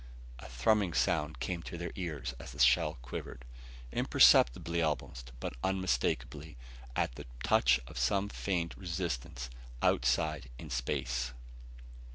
A thrumming sound came to their ears as the shell quivered, imperceptibly almost, but unmistakeably, at the touch of some faint resistance outside in space.